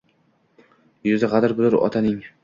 Yuzi gʼadir-budur otaning